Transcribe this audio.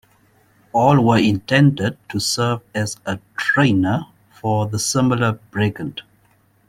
All were intended to serve as a trainer for the similar Brigand.